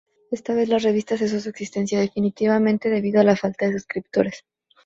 Esta vez la revista cesó su existencia definitivamente debido a la falta de suscriptores.